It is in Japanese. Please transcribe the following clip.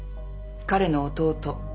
彼の弟。